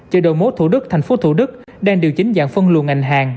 chợ đầu mối thủ đức thành phố thủ đức đang điều chỉnh dạng phân luận ngành hàng